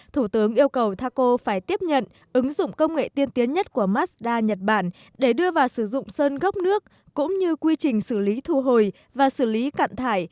thủ tướng yêu cầu taco phải tiếp nhận ứng dụng công nghệ tiên tiến nhất của mazda nhật bản để đưa vào sử dụng sơn gốc nước cũng như quy trình xử lý thu hồi và xử lý cạn thải